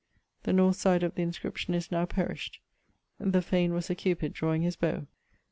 The north side of the inscription is now perished. The fane was a Cupid drawing his bowe.